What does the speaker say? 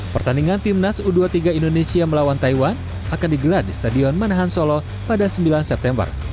pertandingan timnas u dua puluh tiga indonesia melawan taiwan akan digelar di stadion manahan solo pada sembilan september